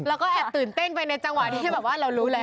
แล้วก็แอปตื่นเต้นไปในจังหวะที่เรารู้แล้ว